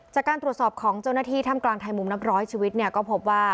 จากการตรวจสอบของเจ้าหน้าที่ถ้ำกลางไทยมุมนับร้อยชีวิตเนี่ยก็พบว่า